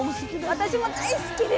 私も大好きです。